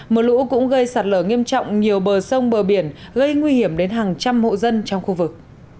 mưa lũ cũng gây sạt lở nghiêm trọng nhiều bờ sông bờ biển gây nguy hiểm đến hàng trăm hộ dân trong khu vực